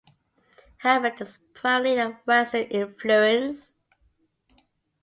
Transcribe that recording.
However, this is primarily a western influence.